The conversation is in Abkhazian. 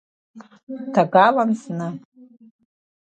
Ҭагалан зны.